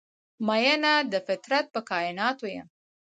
میینه د فطرت په کائیناتو یم